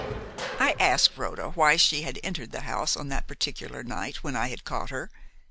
"I asked Rhoda why she had entered the house on that particular night when I had caught her.